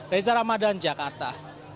reza ramadan jakarta